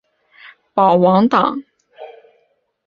有些原来效忠议会的人民甚至投奔保王党。